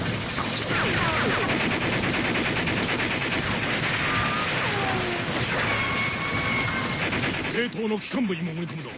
時計塔の機関部に潜り込むぞ